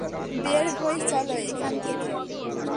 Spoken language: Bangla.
বের হই চলো এখান থেকে!